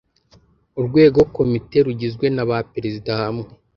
urwgo komite rugizwe na ba perezida hamwe